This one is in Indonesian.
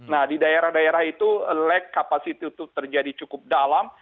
nah di daerah daerah itu lag capacity itu terjadi cukup dalam